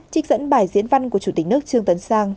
trích dẫn bài diễn văn của chủ tịch nước trương tấn sang